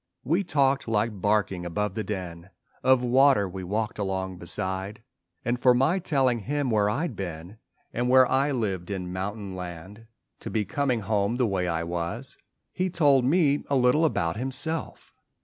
We talked like barking above the din Of water we walked along beside. And for my telling him where I'd been And where I lived in mountain land To be coming home the way I was, He told me a little about himself.